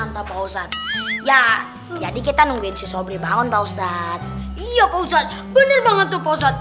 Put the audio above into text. bantah pausat ya jadi kita nungguin susah beli bangun pausat iya pausat bener banget tuh posat